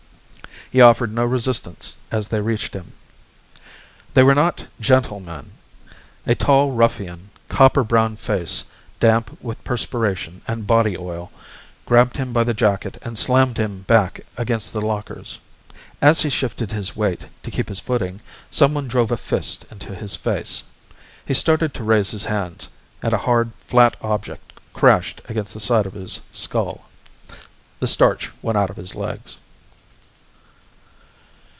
He offered no resistance as they reached him. They were not gentle men. A tall ruffian, copper brown face damp with perspiration and body oil, grabbed him by the jacket and slammed him back against the lockers. As he shifted his weight to keep his footing someone drove a fist into his face. He started to raise his hands; and a hard flat object crashed against the side of his skull. The starch went out of his legs.